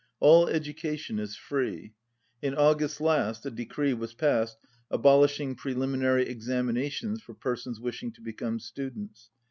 All education is free. In August last a decree was passed abolishing preliminary exami nations for persons wishing to become students.